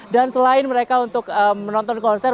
dan selain mereka untuk menonton konser